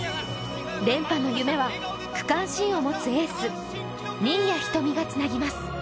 連覇の夢は区間新を持つエース・新谷仁美がつなぎます。